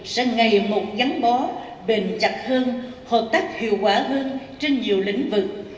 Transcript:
sẽ ngày một gắn bó bền chặt hơn hợp tác hiệu quả hơn trên nhiều lĩnh vực